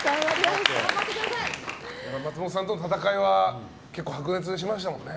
松本さんとの戦いは結構白熱しましたもんね。